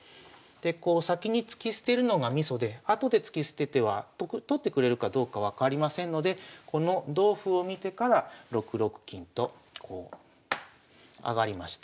こう先に突き捨てるのがミソで後で突き捨てては取ってくれるかどうか分かりませんのでこの同歩を見てから６六金とこう上がりました。